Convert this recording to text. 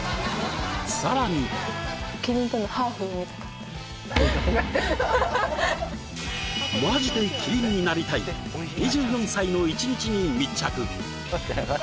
さらにマジでキリンになりたい２４歳の１日に密着わ！